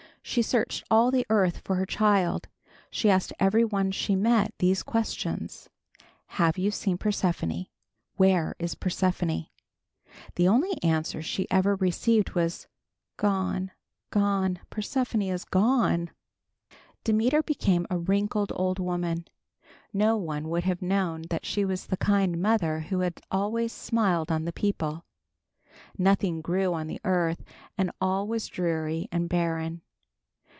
She searched all the earth for her child. She asked every one she met these questions, "Have you seen Persephone? Where is Persephone?" The only answer she ever received was, "Gone, gone, Persephone is gone!" Demeter became a wrinkled old woman. No one would have known that she was the kind mother who had always smiled on the people. Nothing grew on the earth and all was dreary and barren.